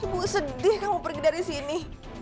bu sedih kamu pergi dari sini